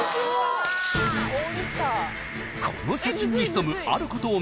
［この写真に潜むあることを］